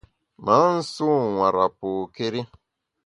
Me nsu nwera pôkéri.